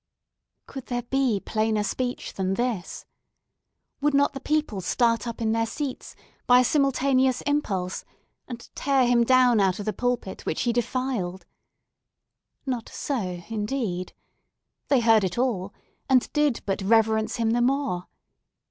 Could there be plainer speech than this? Would not the people start up in their seats, by a simultaneous impulse, and tear him down out of the pulpit which he defiled? Not so, indeed! They heard it all, and did but reverence him the more.